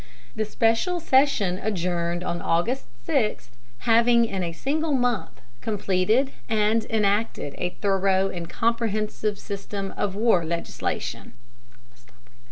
The special session adjourned on August 6, having in a single month completed and enacted a thorough and comprehensive system of war legislation.